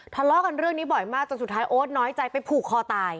ทะเลาะกันเรื่องนี้บ่อยมากจนสุดท้ายโอ๊ตน้อยใจไปผูกคอตาย